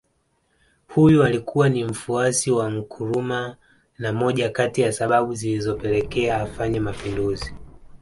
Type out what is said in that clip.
Huyu alikuwa ni mfuasi wa Nkrumah na moja kati ya sababu zilizopelekea afanye Mapinduzi